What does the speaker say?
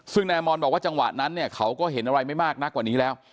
ซึ่งนายอมรบอกว่าจังหวะนั้นเนี่ยเขาก็เห็นอะไรไม่มากนักกว่านี้แล้ว